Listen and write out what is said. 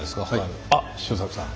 あっ周作さん。